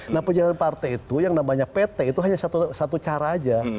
nah penjalanan partai itu yang namanya pt itu hanya satu cara aja